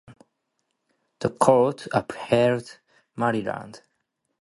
The court upheld Maryland.